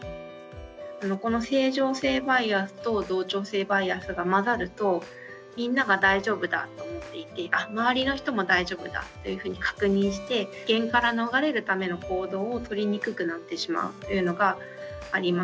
この正常性バイアスと同調性バイアスが混ざるとみんなが大丈夫だと思っていてあっ周りの人も大丈夫だというふうに確認して危険から逃れるための行動をとりにくくなってしまうというのがあります。